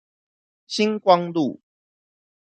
新光路